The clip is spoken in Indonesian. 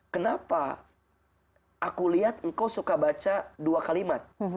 kenapa aku lihat engkau suka baca dua kalimat